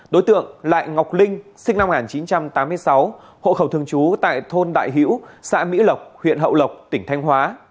đối tượng lại ngọc linh sinh năm một nghìn chín trăm tám mươi sáu hộ khẩu thường trú tại thôn đại hữu xã mỹ lộc huyện hậu lộc tỉnh thanh hóa